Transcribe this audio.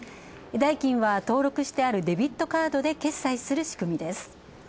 代金は登録してあるデビッドカードで決済する仕組みです。